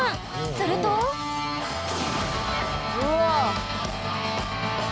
するとうわあ。